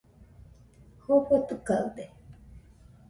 Jofo tɨkaɨde